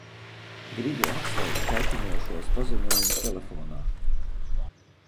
Gribu atslēgt kaitinošos paziņojumus telefonā.